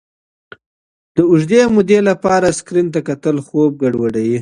د اوږدې مودې لپاره سکرین ته کتل خوب ګډوډوي.